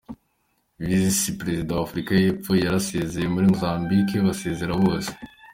Visi Perezida w’ Afurika yepfo yarasezeye, muri Mozambike basezera bose